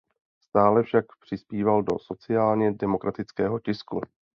Stále však přispíval do sociálně demokratického tisku.